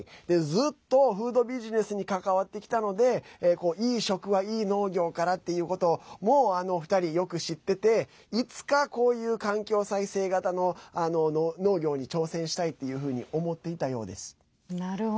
ずっとフードビジネスに関わってきたのでいい食はいい農業からっていうことをもう２人よく知ってていつか、こういう環境再生型の農業に挑戦したいっていうふうに思っていたようです。